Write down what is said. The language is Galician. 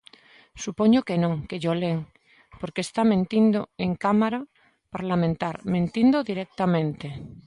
Supoño que non, que llo len, porque está mentindo en Cámara parlamentar, mentindo directamente.